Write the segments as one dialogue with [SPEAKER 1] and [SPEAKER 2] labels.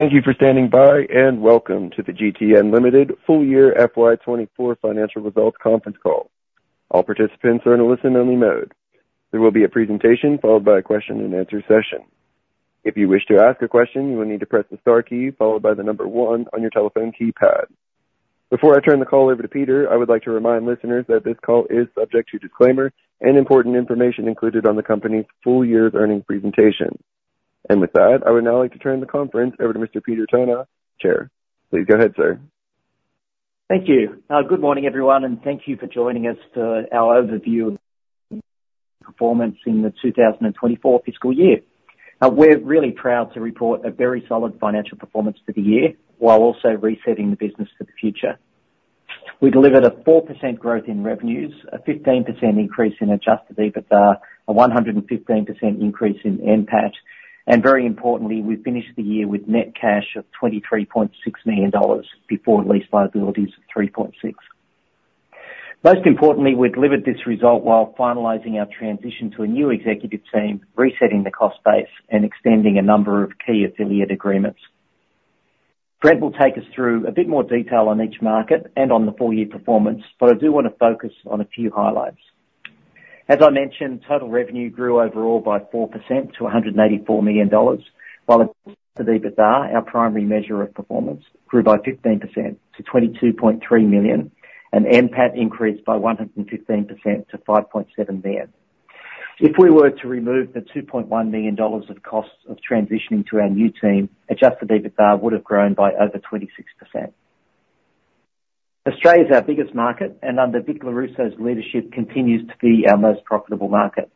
[SPEAKER 1] Thank you for standing by, and welcome to the GTN Limited full year FY24 financial results conference call. All participants are in a listen-only mode. There will be a presentation followed by a question and answer session. If you wish to ask a question, you will need to press the star key followed by the number one on your telephone keypad. Before I turn the call over to Peter, I would like to remind listeners that this call is subject to disclaimer and important information included on the company's full year earnings presentation. With that, I would now like to turn the conference over to Mr. Peter Tonagh, Chairman. Please go ahead, sir.
[SPEAKER 2] Thank you. Good morning, everyone, and thank you for joining us to our overview of performance in the 2024 fiscal year. We're really proud to report a very solid financial performance for the year, while also resetting the business for the future. We delivered a 4% growth in revenues, a 15% increase in Adjusted EBITDA, a 115% increase in NPAT, and very importantly, we finished the year with net cash of 23.6 million dollars before lease liabilities of 3.6. Most importantly, we delivered this result while finalizing our transition to a new executive team, resetting the cost base, and extending a number of key affiliate agreements. Brent will take us through a bit more detail on each market and on the full year performance, but I do wanna focus on a few highlights. As I mentioned, total revenue grew overall by 4% to 184 million dollars, while adjusted EBITDA, our primary measure of performance, grew by 15% to 22.3 million, and NPAT increased by 115% to 5.7 billion. If we were to remove the 2.1 million dollars of costs of transitioning to our new team, adjusted EBITDA would have grown by over 26%. Australia's our biggest market, and under Vic Lorusso's leadership, continues to be our most profitable market.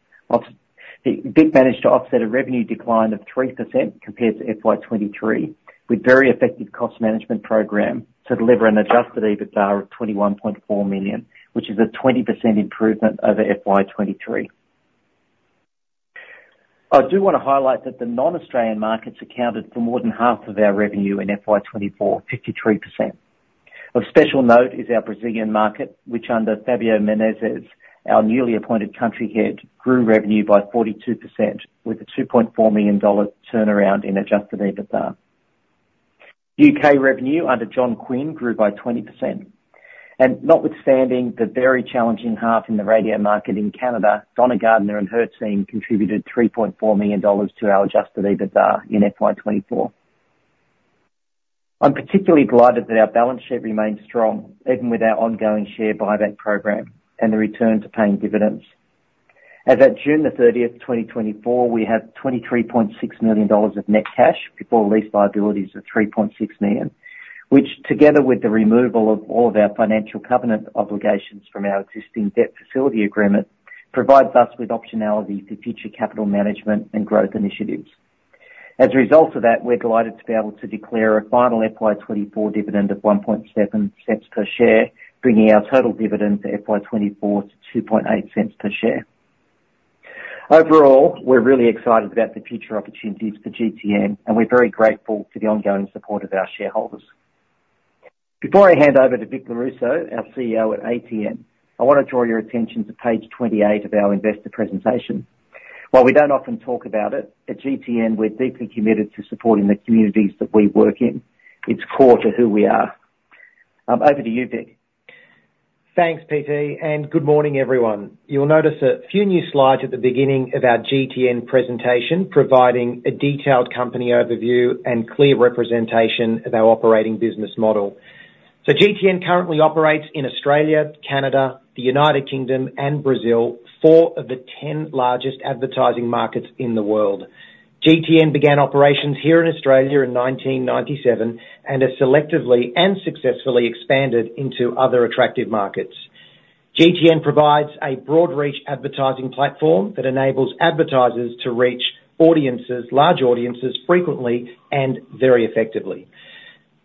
[SPEAKER 2] Vic managed to offset a revenue decline of 3% compared to FY 2023 with very effective cost management program to deliver an adjusted EBITDA of 21.4 million, which is a 20% improvement over FY 2023. I do wanna highlight that the non-Australian markets accounted for more than half of our revenue in FY twenty-four, 53%. Of special note is our Brazilian market, which under Fabio Menezes, our newly appointed country head, grew revenue by 42%, with a AUD 2.4 million turnaround in adjusted EBITDA. UK revenue, under John Quinn, grew by 20%, and notwithstanding the very challenging half in the radio market in Canada, Donna Gardner and her team contributed 3.4 million dollars to our adjusted EBITDA in FY twenty-four. I'm particularly delighted that our balance sheet remains strong, even with our ongoing share buyback program and the return to paying dividends. As at June 30, 2024, we had AUD 23.6 million of net cash before lease liabilities of AUD 3.6 million, which, together with the removal of all of our financial covenant obligations from our existing debt facility agreement, provides us with optionality for future capital management and growth initiatives. As a result of that, we're delighted to be able to declare a final FY24 dividend of 0.017 per share, bringing our total dividend for FY24 to 0.028 per share. Overall, we're really excited about the future opportunities for GTN, and we're very grateful to the ongoing support of our shareholders. Before I hand over to Vic Lorusso, our CEO at ATN, I wanna draw your attention to page 28 of our investor presentation. While we don't often talk about it, at GTN, we're deeply committed to supporting the communities that we work in. It's core to who we are. Over to you, Vic.
[SPEAKER 3] Thanks, PT, and good morning, everyone. You'll notice a few new slides at the beginning of our GTN presentation, providing a detailed company overview and clear representation of our operating business model. So GTN currently operates in Australia, Canada, the United Kingdom and Brazil, four of the 10 largest advertising markets in the world. GTN began operations here in Australia in nineteen ninety-seven, and has selectively and successfully expanded into other attractive markets. GTN provides a broad reach advertising platform that enables advertisers to reach audiences, large audiences, frequently and very effectively.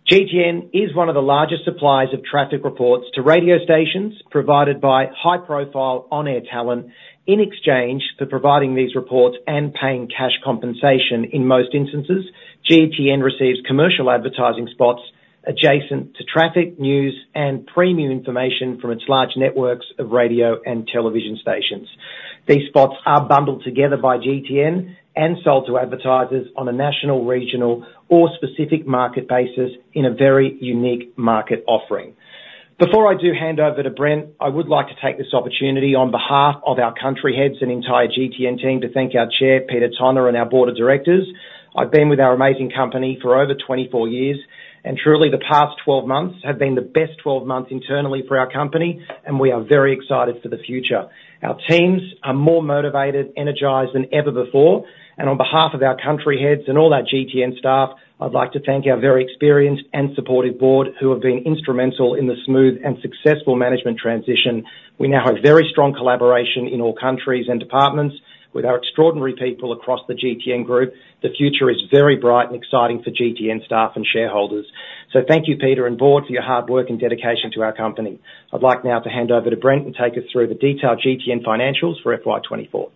[SPEAKER 3] GTN is one of the largest suppliers of traffic reports to radio stations, provided by high-profile on-air talent. In exchange for providing these reports and paying cash compensation in most instances, GTN receives commercial advertising spots adjacent to traffic, news, and premium information from its large networks of radio and television stations. These spots are bundled together by GTN and sold to advertisers on a national, regional, or specific market basis in a very unique market offering. Before I do hand over to Brent, I would like to take this opportunity on behalf of our country heads and entire GTN team to thank our chair, Peter Tonagh, and our board of directors. I've been with our amazing company for over twenty-four years, and truly, the past twelve months have been the best twelve months internally for our company, and we are very excited for the future. Our teams are more motivated, energized than ever before, and on behalf of our country heads and all our GTN staff, I'd like to thank our very experienced and supportive board, who have been instrumental in the smooth and successful management transition. We now have very strong collaboration in all countries and departments with our extraordinary people across the GTN group. The future is very bright and exciting for GTN staff and shareholders. So thank you, Peter and board, for your hard work and dedication to our company. I'd like now to hand over to Brent, and take us through the detailed GTN financials for FY twenty-four.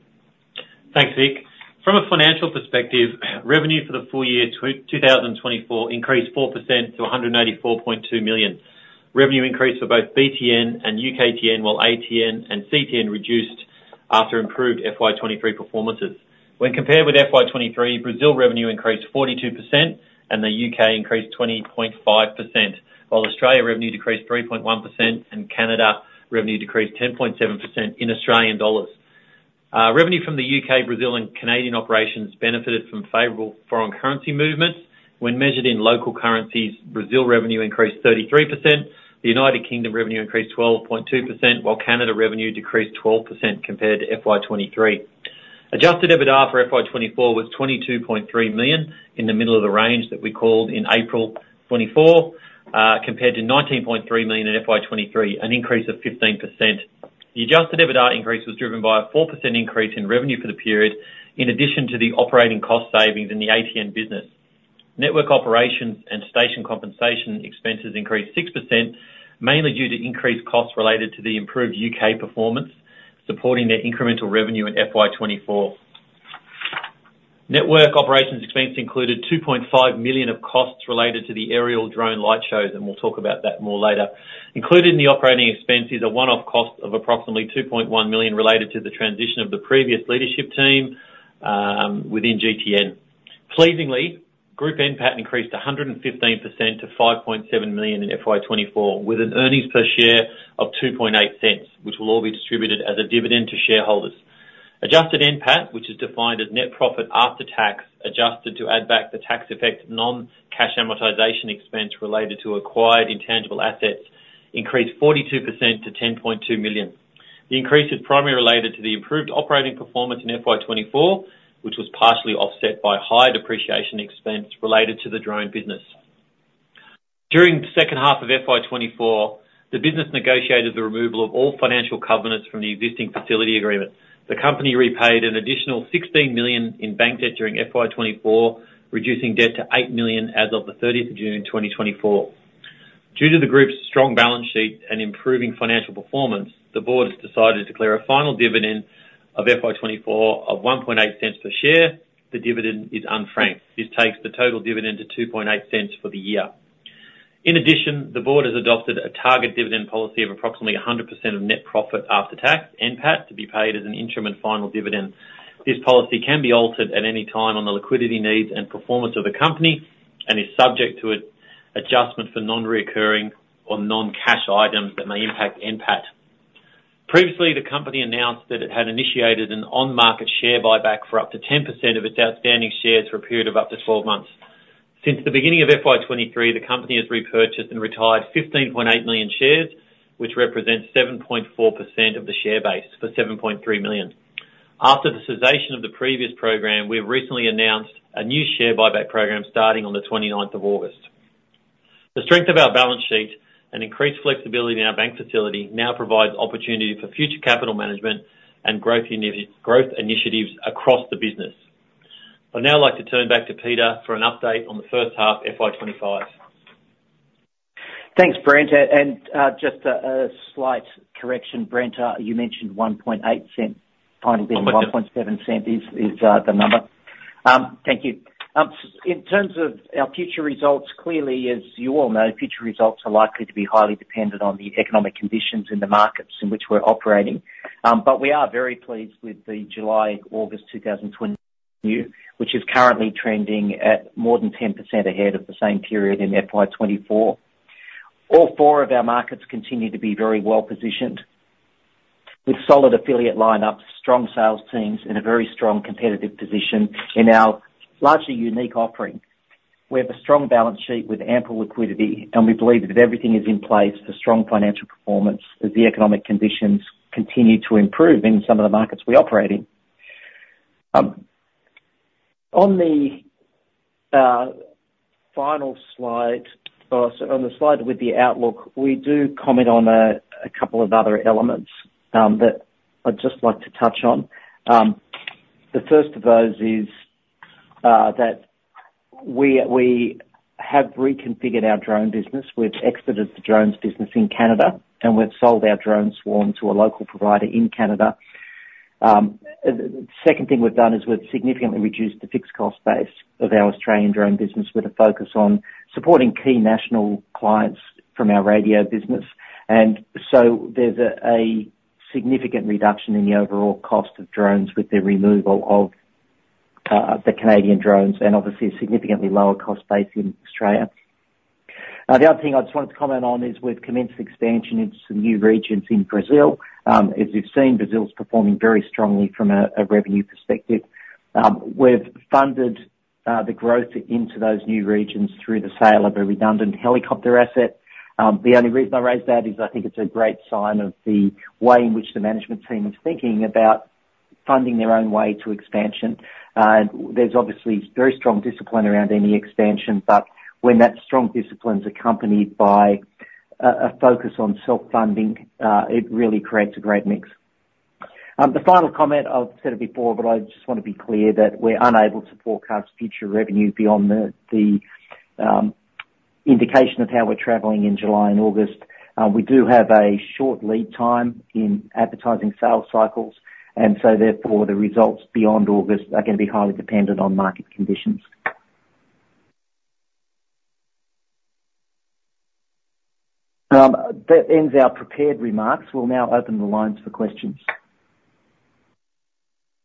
[SPEAKER 4] Thanks, Vic. From a financial perspective, revenue for the full year 2024 increased 4% to 184.2 million. Revenue increased for both BTN and UKTN, while ATN and CTN reduced after improved FY 2023 performances. When compared with FY 2023, Brazil revenue increased 42% and the UK increased 20.5%, while Australia revenue decreased 3.1% and Canada revenue decreased 10.7% in Australian dollars. Revenue from the UK, Brazil, and Canadian operations benefited from favorable foreign currency movements. When measured in local currencies, Brazil revenue increased 33%, the United Kingdom revenue increased 12.2%, while Canada revenue decreased 12% compared to FY 2023. Adjusted EBITDA for FY24 was AUD 22.3 million, in the middle of the range that we called in April 2024, compared to AUD 19.3 million in FY23, an increase of 15%. The adjusted EBITDA increase was driven by a 4% increase in revenue for the period, in addition to the operating cost savings in the ATN business. Network operations and station compensation expenses increased 6%, mainly due to increased costs related to the improved UK performance, supporting their incremental revenue in FY24. Network operations expense included 2.5 million of costs related to the aerial drone light shows, and we'll talk about that more later. Included in the operating expense is a one-off cost of approximately 2.1 million related to the transition of the previous leadership team within GTN. Pleasingly, group NPAT increased 115% to 5.7 million in FY24, with an earnings per share of 2.8 cents, which will all be distributed as a dividend to shareholders. Adjusted NPAT, which is defined as net profit after tax, adjusted to add back the tax effect non-cash amortization expense related to acquired intangible assets, increased 42% to 10.2 million. The increase is primarily related to the improved operating performance in FY24, which was partially offset by higher depreciation expense related to the drone business. During the second half of FY24, the business negotiated the removal of all financial covenants from the existing facility agreement. The company repaid an additional AUD 16 million in bank debt during FY24, reducing debt to AUD 8 million as of the 30th of June, 2024. Due to the group's strong balance sheet and improving financial performance, the board has decided to declare a final dividend of FY24 of 0.018 per share. The dividend is unfranked. This takes the total dividend to 0.028 for the year. In addition, the board has adopted a target dividend policy of approximately 100% of net profit after tax, NPAT, to be paid as an interim and final dividend. This policy can be altered at any time on the liquidity needs and performance of the company, and is subject to an adjustment for non-recurring or non-cash items that may impact NPAT. Previously, the company announced that it had initiated an on-market share buyback for up to 10% of its outstanding shares for a period of up to 12 months. Since the beginning of FY 2023, the company has repurchased and retired 15.8 million shares, which represents 7.4% of the share base for 7.3 million. After the cessation of the previous program, we've recently announced a new share buyback program starting on the twenty-ninth of August. The strength of our balance sheet and increased flexibility in our bank facility now provides opportunity for future capital management and growth initiatives across the business. I'd now like to turn back to Peter for an update on the first half FY 2025.
[SPEAKER 2] Thanks, Brent, and just a slight correction, Brent. You mentioned 0.018.
[SPEAKER 4] Oh, thank you.
[SPEAKER 2] Final dividend, AUD 0.017 is the number. Thank you. In terms of our future results, clearly, as you all know, future results are likely to be highly dependent on the economic conditions in the markets in which we're operating. But we are very pleased with the July, August 2024 review, which is currently trending at more than 10% ahead of the same period in FY 2024. All four of our markets continue to be very well positioned with solid affiliate lineups, strong sales teams, and a very strong competitive position in our largely unique offering. We have a strong balance sheet with ample liquidity, and we believe that everything is in place for strong financial performance as the economic conditions continue to improve in some of the markets we operate in. On the final slide, or on the slide with the outlook, we do comment on a couple of other elements that I'd just like to touch on. The first of those is that we have reconfigured our drone business. We've exited the drones business in Canada, and we've sold our drone swarm to a local provider in Canada. The second thing we've done is we've significantly reduced the fixed cost base of our Australian drone business with a focus on supporting key national clients from our radio business. And so there's a significant reduction in the overall cost of drones with the removal of the Canadian drones, and obviously a significantly lower cost base in Australia. The other thing I just wanted to comment on is we've commenced expansion into some new regions in Brazil. As you've seen, Brazil's performing very strongly from a revenue perspective. We've funded the growth into those new regions through the sale of a redundant helicopter asset. The only reason I raise that is I think it's a great sign of the way in which the management team is thinking about funding their own way to expansion. There's obviously very strong discipline around any expansion, but when that strong discipline's accompanied by a focus on self-funding, it really creates a great mix. The final comment, I've said it before, but I just want to be clear that we're unable to forecast future revenue beyond the indication of how we're traveling in July and August. We do have a short lead time in advertising sales cycles, and so therefore, the results beyond August are going to be highly dependent on market conditions. That ends our prepared remarks. We'll now open the lines for questions.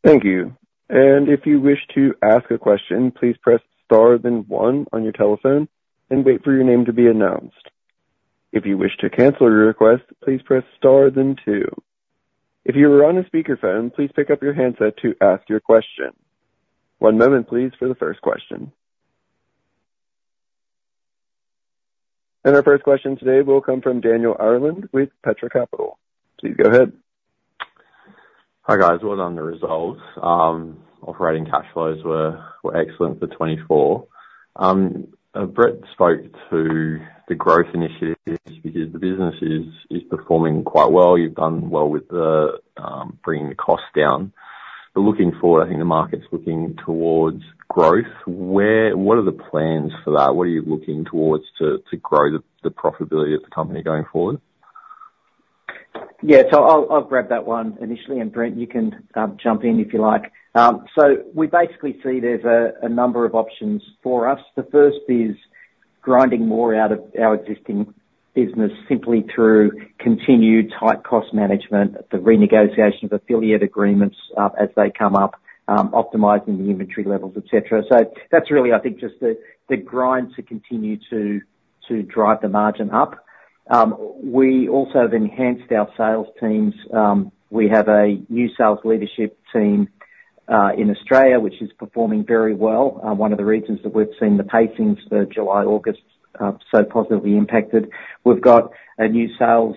[SPEAKER 1] Thank you. And if you wish to ask a question, please press star then one on your telephone and wait for your name to be announced. If you wish to cancel your request, please press star then two. If you are on a speakerphone, please pick up your handset to ask your question. One moment, please, for the first question. And our first question today will come from Daniel Ireland with Petra Capital. Please go ahead.
[SPEAKER 5] Hi, guys. Well done on the results. Operating cash flows were excellent for twenty-four. Brent spoke to the growth initiatives because the business is performing quite well. You've done well with bringing the costs down. But looking forward, I think the market's looking towards growth. What are the plans for that? What are you looking towards to grow the profitability of the company going forward?
[SPEAKER 2] Yeah, so I'll grab that one initially, and Brent, you can jump in if you like. So we basically see there's a number of options for us. The first is grinding more out of our existing business, simply through continued tight cost management, the renegotiation of affiliate agreements as they come up, optimizing the inventory levels, et cetera. So that's really, I think, just the grind to continue to drive the margin up. We also have enhanced our sales teams. We have a new sales leadership team in Australia, which is performing very well. One of the reasons that we've seen the pacings for July, August so positively impacted. We've got a new sales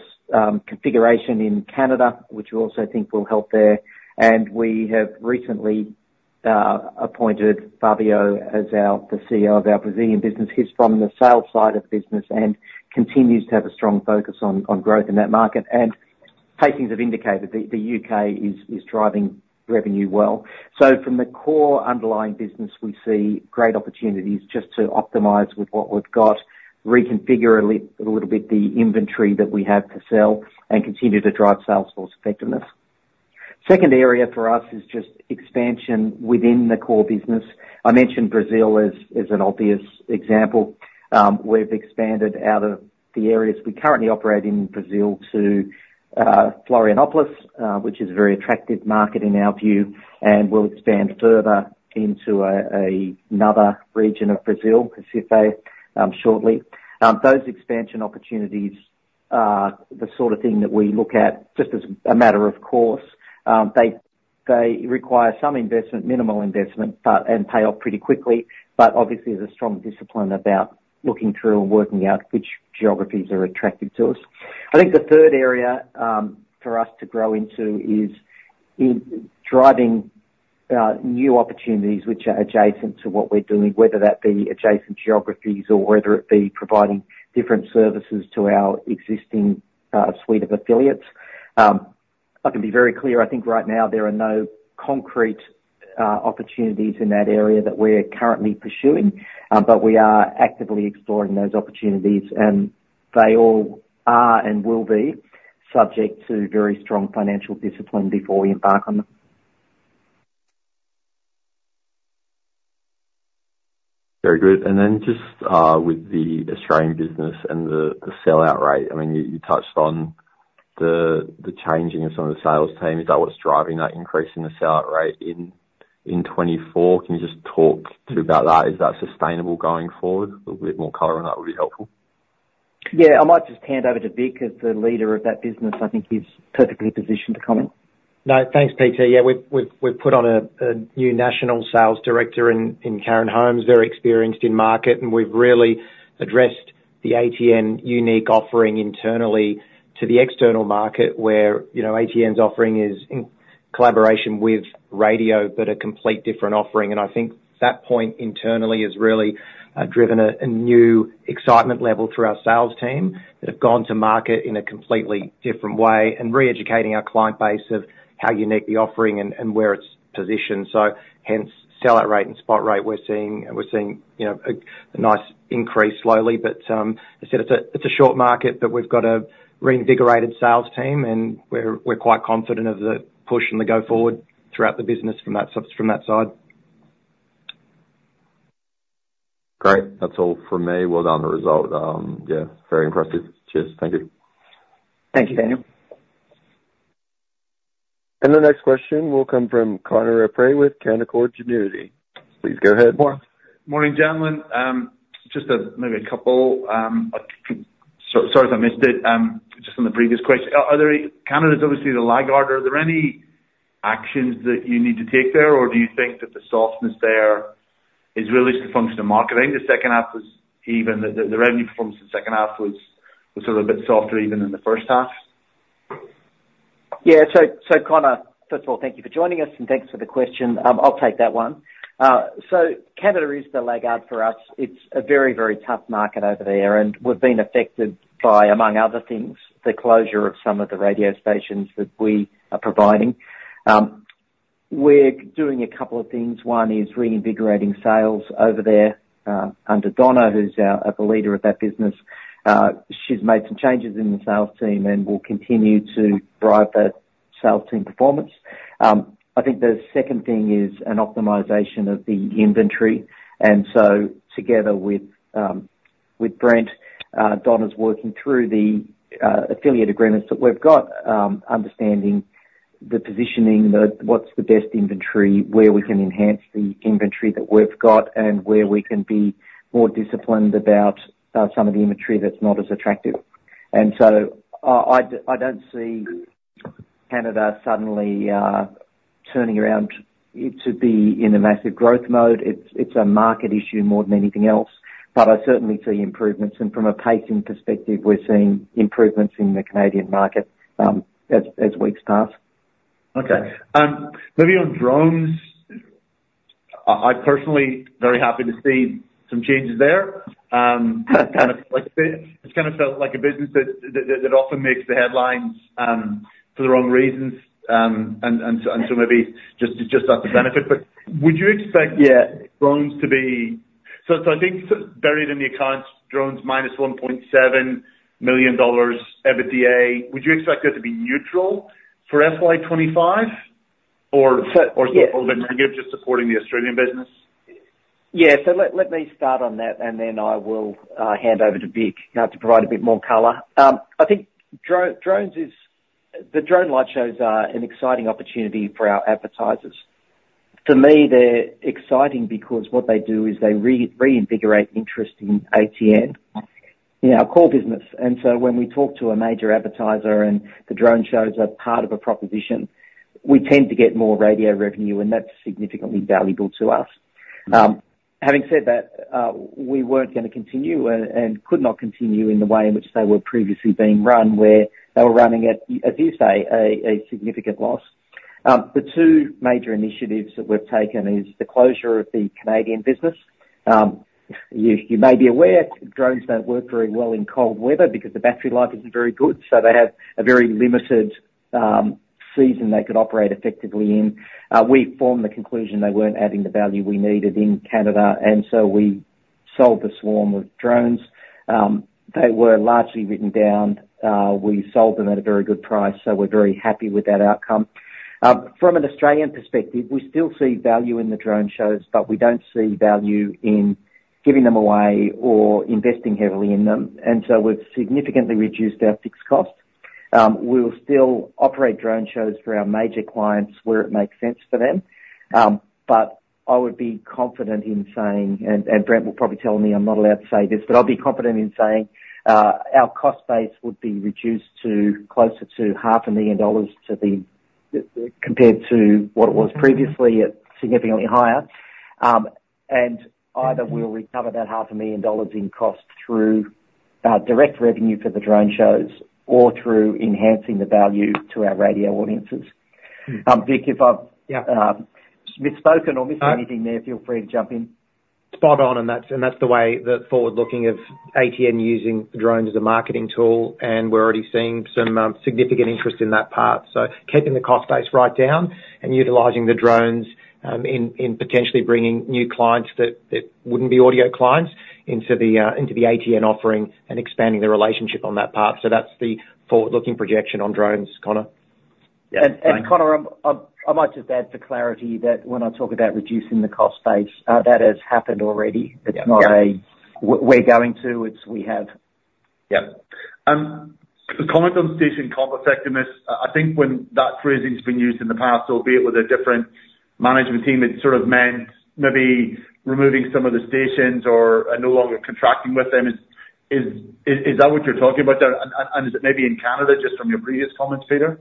[SPEAKER 2] configuration in Canada, which we also think will help there. We have recently appointed Fabio as our CEO of our Brazilian business. He's from the sales side of the business and continues to have a strong focus on growth in that market. Our takings have indicated that the UK is driving revenue well. So from the core underlying business, we see great opportunities just to optimize with what we've got, reconfigure a little bit the inventory that we have to sell and continue to drive sales force effectiveness. Second area for us is just expansion within the core business. I mentioned Brazil as an obvious example. We've expanded out of the areas we currently operate in Brazil to Florianópolis, which is a very attractive market in our view, and we'll expand further into another region of Brazil, Recife, shortly. Those expansion opportunities are the sort of thing that we look at just as a matter of course. They require some investment, minimal investment, but and pay off pretty quickly, but obviously, there's a strong discipline about looking through and working out which geographies are attractive to us. I think the third area for us to grow into is driving new opportunities which are adjacent to what we're doing, whether that be adjacent geographies or whether it be providing different services to our existing suite of affiliates. I can be very clear. I think right now there are no concrete opportunities in that area that we're currently pursuing, but we are actively exploring those opportunities, and they all are and will be subject to very strong financial discipline before we embark on them.
[SPEAKER 5] Very good. And then just with the Australian business and the sellout rate, I mean, you touched on the changing of some of the sales team. Is that what's driving that increase in the sellout rate in twenty-four? Can you just talk through about that? Is that sustainable going forward? A little bit more color on that would be helpful.
[SPEAKER 2] Yeah, I might just hand over to Vic, as the leader of that business. I think he's perfectly positioned to comment.
[SPEAKER 3] No, thanks, PT. Yeah, we've put on a new national sales director in Karen Holmes, very experienced in market, and we've really addressed the ATN unique offering internally to the external market, where, you know, ATN's offering is in collaboration with radio, but a complete different offering. And I think that point internally has really driven a new excitement level through our sales team that have gone to market in a completely different way and reeducating our client base of how unique the offering and where it's positioned. So hence, sellout rate and spot rate we're seeing, you know, a nice increase slowly, but I said it's a short market, but we've got a reinvigorated sales team, and we're quite confident of the push and the go forward throughout the business from that side.
[SPEAKER 5] Great. That's all from me. Well done on the result. Yeah, very impressive. Cheers. Thank you.
[SPEAKER 2] Thank you, Daniel.
[SPEAKER 1] And the next question will come from Conor O'Prey with Canaccord Genuity. Please go ahead.
[SPEAKER 6] Morning, gentlemen. Just a couple, sorry if I missed it, just on the previous question. Are there any-- Canada is obviously the laggard, are there any actions that you need to take there, or do you think that the softness there is really just a function of marketing? The second half was even, the revenue performance in the second half was sort of a bit softer even than the first half.
[SPEAKER 2] Yeah. So, Connor, first of all, thank you for joining us, and thanks for the question. I'll take that one. So, Canada is the laggard for us. It's a very, very tough market over there, and we've been affected by, among other things, the closure of some of the radio stations that we are providing. We're doing a couple of things. One is reinvigorating sales over there, under Donna, who's our, the leader of that business. She's made some changes in the sales team and will continue to drive that sales team performance. I think the second thing is an optimization of the inventory. Together with Brent, Don is working through the affiliate agreements that we've got, understanding the positioning, what's the best inventory, where we can enhance the inventory that we've got, and where we can be more disciplined about some of the inventory that's not as attractive. I don't see Canada suddenly turning around to be in a massive growth mode. It's a market issue more than anything else. But I certainly see improvements, and from a pacing perspective, we're seeing improvements in the Canadian market as weeks pass.
[SPEAKER 6] Okay. Maybe on drones, I personally very happy to see some changes there. Kind of like, it's kinda felt like a business that often makes the headlines for the wrong reasons, and so maybe just that's a benefit, but would you expect-
[SPEAKER 2] Yeah.
[SPEAKER 6] Drones to be. So, so I think buried in the accounts, drones minus 1.7 million dollars EBITDA, would you expect that to be neutral for FY25 or-
[SPEAKER 2] So, yeah.
[SPEAKER 6] Or still a little bit negative, just supporting the Australian business?
[SPEAKER 2] Yeah. Let me start on that, and then I will hand over to Vic to provide a bit more color. I think the drone light shows are an exciting opportunity for our advertisers. To me, they're exciting because what they do is they reinvigorate interest in ATN, in our core business. And so when we talk to a major advertiser and the drone shows are part of a proposition, we tend to get more radio revenue, and that's significantly valuable to us. Having said that, we weren't gonna continue and could not continue in the way in which they were previously being run, where they were running at, as you say, a significant loss. The two major initiatives that we've taken is the closure of the Canadian business. You may be aware, drones don't work very well in cold weather because the battery life isn't very good, so they have a very limited season they could operate effectively in. We formed the conclusion they weren't adding the value we needed in Canada, and so we sold the swarm of drones. They were largely written down. We sold them at a very good price, so we're very happy with that outcome. From an Australian perspective, we still see value in the drone shows, but we don't see value in giving them away or investing heavily in them, and so we've significantly reduced our fixed costs. We'll still operate drone shows for our major clients, where it makes sense for them. But I would be confident in saying, and Brent will probably tell me I'm not allowed to say this, but I'll be confident in saying our cost base would be reduced to closer to 500,000 dollars compared to what it was previously, at significantly higher, and either we'll recover that 500,000 dollars in cost through direct revenue for the drone shows or through enhancing the value to our radio audiences. Vic, if I've-
[SPEAKER 3] Yeah.
[SPEAKER 2] misspoken or missed anything there?
[SPEAKER 3] Uh.
[SPEAKER 2] Feel free to jump in.
[SPEAKER 3] Spot on, and that's the way the forward-looking of ATN using drones as a marketing tool, and we're already seeing some significant interest in that part. So keeping the cost base right down and utilizing the drones in potentially bringing new clients that wouldn't be audio clients into the ATN offering and expanding the relationship on that part. So that's the forward-looking projection on drones, Connor.
[SPEAKER 6] Yeah.
[SPEAKER 2] Connor, I might just add for clarity that when I talk about reducing the cost base, that has happened already.
[SPEAKER 3] Yeah.
[SPEAKER 2] It's not we're going to. It's we have.
[SPEAKER 6] Yeah. A comment on station cost effectiveness. I think when that phrasing's been used in the past, albeit with a different management team, it sort of meant maybe removing some of the stations or, and no longer contracting with them. Is that what you're talking about there? And is it maybe in Canada, just from your previous comments, Peter?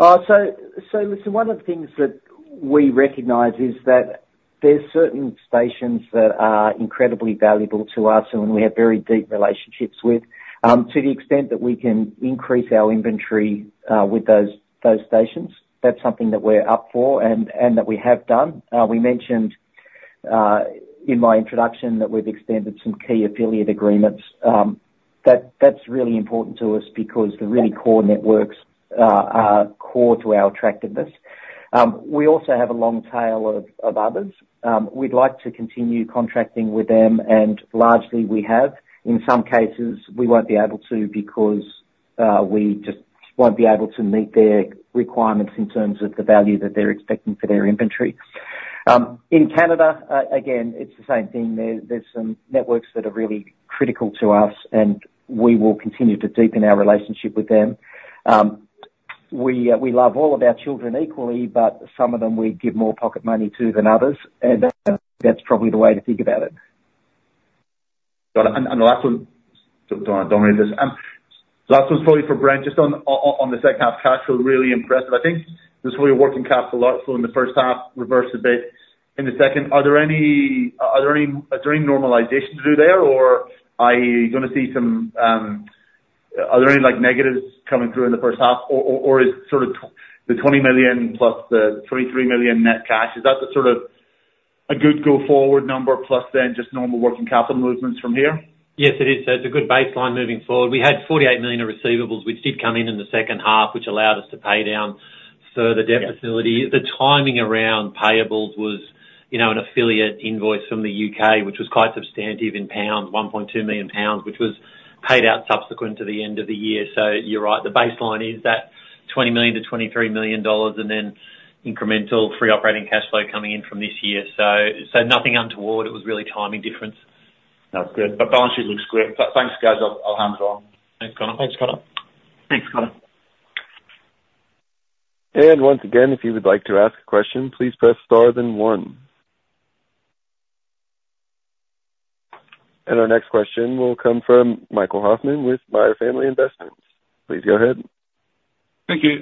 [SPEAKER 2] So listen, one of the things that we recognize is that there's certain stations that are incredibly valuable to us and we have very deep relationships with. To the extent that we can increase our inventory with those stations, that's something that we're up for and that we have done. We mentioned in my introduction that we've extended some key affiliate agreements. That's really important to us because the really core networks are core to our attractiveness. We also have a long tail of others. We'd like to continue contracting with them, and largely we have. In some cases, we won't be able to because we just won't be able to meet their requirements in terms of the value that they're expecting for their inventory. In Canada, again, it's the same thing there. There's some networks that are really critical to us, and we will continue to deepen our relationship with them. We love all of our children equally, but some of them we give more pocket money to than others, and that's probably the way to think about it.
[SPEAKER 6] Got it, and the last one, don't want to dominate this. Last one's probably for Brent, just on the second half, cash flow, really impressive. I think this way, working capital flow in the first half reversed a bit in the second. Are there any normalizations to do there, or are you gonna see some negatives coming through in the first half? Or is sort of the twenty million plus the twenty-three million net cash the sort of a goodgo-forward number, plus then just normal working capital movements from here?
[SPEAKER 4] Yes, it is. So it's a good baseline moving forward. We had 48 million of receivables, which did come in in the second half, which allowed us to pay down further debt facility.
[SPEAKER 6] Yeah.
[SPEAKER 4] The timing around payables was-...
[SPEAKER 2] you know, an affiliate invoice from the U.K., which was quite substantive in pounds, 1.2 million pounds, which was paid out subsequent to the end of the year. So you're right, the baseline is that 20-23 million dollars, and then incremental free operating cash flow coming in from this year. So, so nothing untoward. It was really timing difference.
[SPEAKER 6] That's good. But balance sheet looks great. But thanks, guys. I'll, I'll hand it on.
[SPEAKER 2] Thanks, Connor. Thanks, Connor.
[SPEAKER 6] Thanks, Connor.
[SPEAKER 1] Once again, if you would like to ask a question, please press star then one. Our next question will come from Michael Hoffman with Myer Family Investments. Please go ahead.
[SPEAKER 7] Thank you.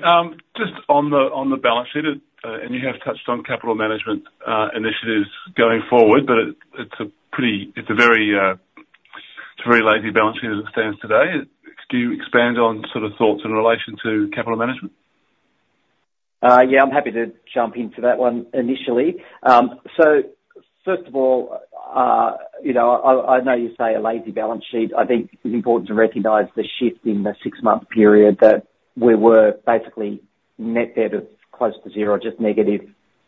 [SPEAKER 7] Just on the balance sheet, and you have touched on capital management initiatives going forward, but it's a pretty, it's a very lazy balance sheet as it stands today. Can you expand on sort of thoughts in relation to capital management?
[SPEAKER 2] Yeah, I'm happy to jump into that one initially. So first of all, you know, I know you say a lazy balance sheet. I think it's important to recognize the shift in the six-month period, that we were basically net debt of close to zero, just negative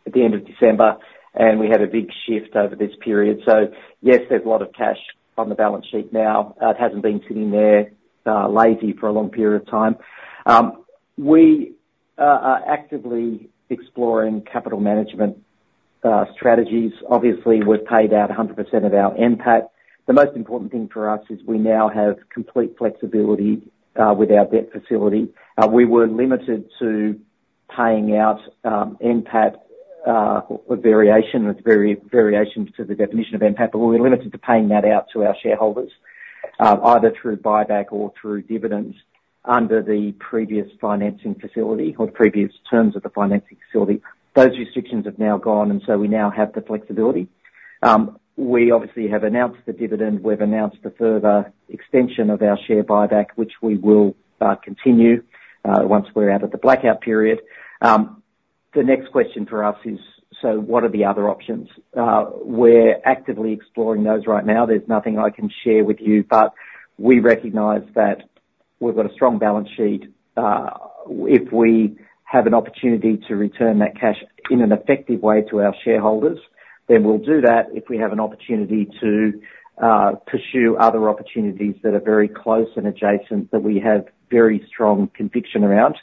[SPEAKER 2] at the end of December, and we had a big shift over this period. So yes, there's a lot of cash on the balance sheet now. It hasn't been sitting there, lazy for a long period of time. We are actively exploring capital management strategies. Obviously, we've paid out 100% of our NPAT. The most important thing for us is we now have complete flexibility with our debt facility. We were limited to paying out NPAT variation with variations to the definition of NPAT, but we're limited to paying that out to our shareholders, either through buyback or through dividends under the previous financing facility or previous terms of the financing facility. Those restrictions have now gone, and so we now have the flexibility. We obviously have announced the dividend. We've announced a further extension of our share buyback, which we will continue once we're out of the blackout period. The next question for us is: So what are the other options? We're actively exploring those right now. There's nothing I can share with you, but we recognize that we've got a strong balance sheet. If we have an opportunity to return that cash in an effective way to our shareholders, then we'll do that. If we have an opportunity to pursue other opportunities that are very close and adjacent, that we have very strong conviction around,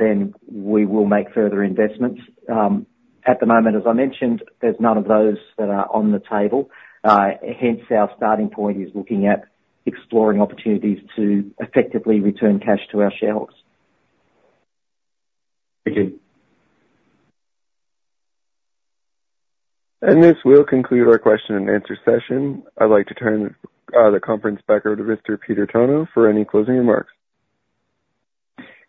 [SPEAKER 2] then we will make further investments. At the moment, as I mentioned, there's none of those that are on the table. Hence, our starting point is looking at exploring opportunities to effectively return cash to our shareholders.
[SPEAKER 7] Thank you.
[SPEAKER 1] And this will conclude our question and answer session. I'd like to turn the conference back over to Mr. Peter Tonagh for any closing remarks.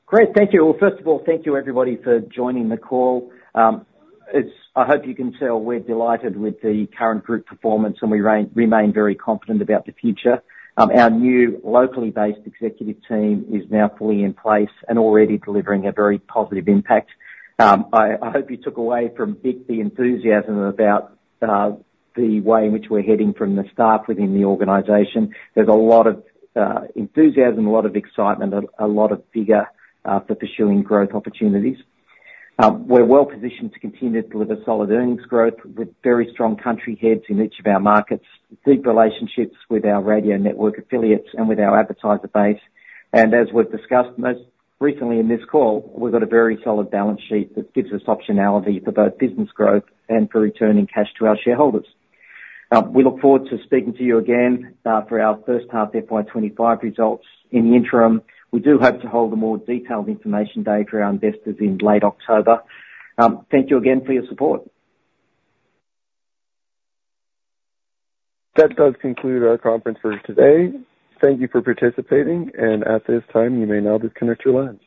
[SPEAKER 2] Great. Thank you. Well, first of all, thank you, everybody, for joining the call. I hope you can tell we're delighted with the current group performance, and we remain very confident about the future. Our new locally based executive team is now fully in place and already delivering a very positive impact. I hope you took away from it the enthusiasm about the way in which we're heading from the staff within the organization. There's a lot of enthusiasm, a lot of excitement, a lot of vigor for pursuing growth opportunities. We're well positioned to continue to deliver solid earnings growth with very strong country heads in each of our markets, deep relationships with our radio network affiliates and with our advertiser base. And as we've discussed most recently in this call, we've got a very solid balance sheet that gives us optionality for both business growth and for returning cash to our shareholders. We look forward to speaking to you again for our first half FY twenty-five results. In the interim, we do hope to hold a more detailed information day for our investors in late October. Thank you again for your support.
[SPEAKER 1] That does conclude our conference for today. Thank you for participating, and at this time, you may now disconnect your lines.